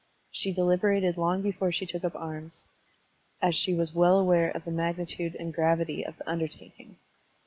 She deliber ated long before she took up arms, as she was well aware of the magnitude and gravity of the tmdertaking.